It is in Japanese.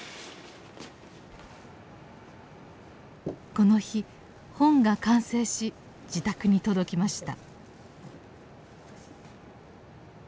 この日本が完成し自宅に届きました。